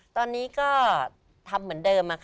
ตอนนี้ก็ทำเหมือนเดิม